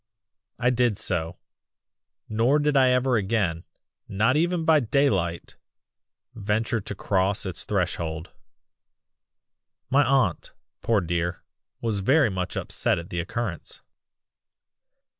"I did so nor did I ever again not even by daylight venture to cross its threshold. "My aunt, poor dear, was very much upset at the occurrence.